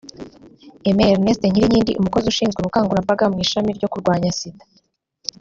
Aime Erneste Nyirinkindi umukozi ushinzwe ubukangurambaga mu ishami ryo kurwanya Sida